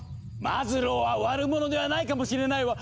マズローは悪者ではないかもしれないわ。